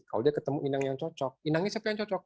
kalau dia ketemu inang yang cocok inangnya siapa yang cocok